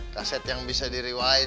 kaset yang bisa diriwain